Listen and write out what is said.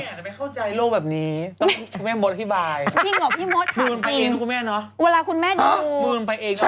คุณหมอโดนกระช่าคุณหมอโดนกระช่า